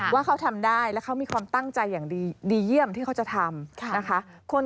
ว่าเขาทำได้แล้วเขามีความตั้งใจอย่างดีเยี่ยมที่เขาจะทำนะคะ